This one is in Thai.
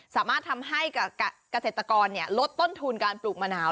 สามารถทำให้เกษตรกรลดต้นทุนการปลูกมะนาว